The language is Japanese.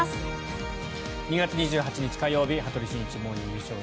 ２月２８日、火曜日「羽鳥慎一モーニングショー」。